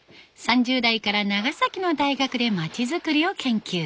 ３０代から長崎の大学でまちづくりを研究。